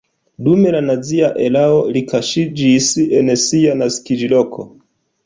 Dum la nazia erao li kaŝiĝis en sia naskiĝloko.